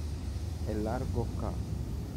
È largo ca.